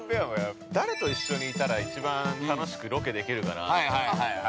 ◆誰と一緒にいたら、一番楽しくロケできるかなと。